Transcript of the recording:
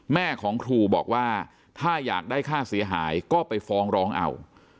แม่ของครูบอกว่าถ้าอยากได้ค่าเสียหายก็ไปฟ้องร้องเอา